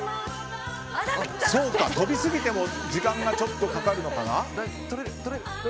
そうか飛びすぎても時間がかかるのかな。